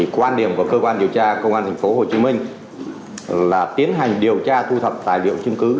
quan điểm của cơ quan điều tra công an tp hcm là tiến hành điều tra thu thập tài liệu chứng cứ